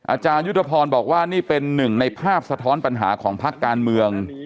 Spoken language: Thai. อาจารยุทธพรบอกว่านี่เป็นหนึ่งในภาพสะท้อนปัญหาของพักการเมือง